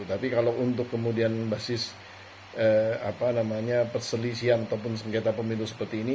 tapi kalau untuk kemudian basis perselisihan ataupun sengketa pemilu seperti ini